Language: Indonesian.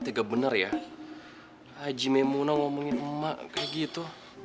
tidak benar ya haji maimunah ngomongin emak kayak gitu